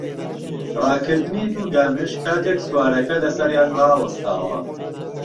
ڕاکردنی دوو گامێش کاتێک سوارەکە لەسەریان ڕاوەستاوە